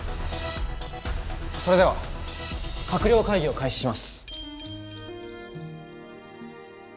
それでは閣僚会議を開始します。